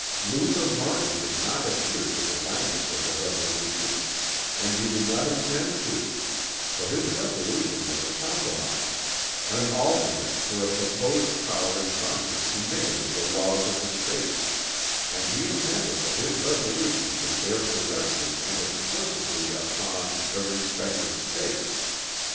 Luther Martin did not adhere to the language of the resolution; and he did not intend to; for his resolution was a compromise, an alternate for a proposed power in Congress to negative the laws of the States, and he intended that his resolution should bear directly and explicitly upon "the respective States."